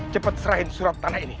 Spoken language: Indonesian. cepat serahin surat tanah ini